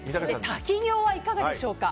滝行はいかがでしょうか。